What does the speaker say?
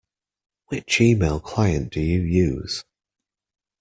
Which email client do you use?